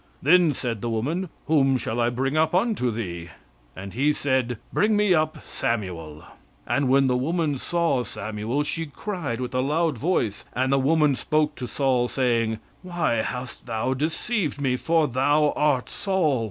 "Then said the woman, Whom shall I bring up unto thee? And he said, Bring me up Samuel. "And when the woman saw Samuel, she cried with a loud voice; and the woman spake to Saul, saying, Why hast thou deceived me? for thou art Saul.